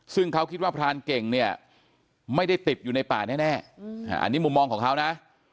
ซึ่งเขาคิดว่าพรานเก่งเนี่ยไม่ได้ติดอยู่ในป่าแน่อันนี้มุมมองของเขานะ